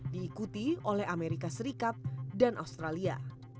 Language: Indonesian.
diikuti oleh amerika serikat dan australia